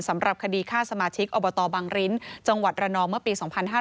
สำหรับคดีฆ่าสมาชิกอบตบังริ้นจังหวัดระนองเมื่อปี๒๕๕๙